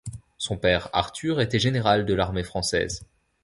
Son père Arthur était général de l'Armée française.